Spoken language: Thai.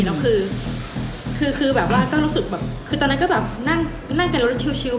แล้วคือก็รู้สึกคือตอนนั้นก็แบบนั่งไก่รถชิลด์ชิลด์